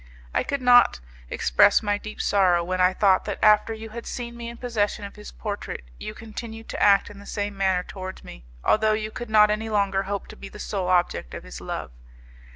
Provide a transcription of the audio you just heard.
I could not express my deep sorrow when I thought that, after you had seen me in possession of his portrait, you continued to act in the same manner towards me, although you could not any longer hope to be the sole object of his love.